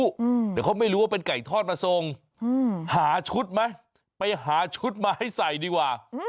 เดี๋ยวเขาไม่รู้ว่าเป็นไก่ทอดมาส่งหาชุดไหมไปหาชุดมาให้ใส่ดีกว่า